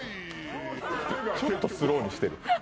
ちょっとスローにしてる。